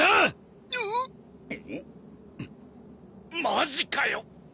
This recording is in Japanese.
マジかよ。